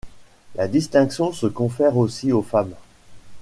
La distinction se confère aussi aux femmes.